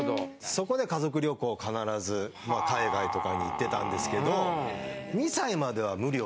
そこで家族旅行を必ず海外とかに行ってたんですけど。